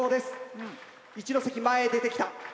一関前へ出てきた。